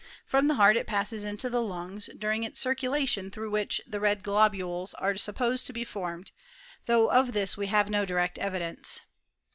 From the heart it passes into the lungs, during its circulation through which the red globules are supposed to be formed, though of this we have no direct evidence.